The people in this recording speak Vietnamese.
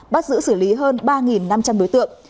bắt giữ xử lý hơn ba năm trăm linh đối tượng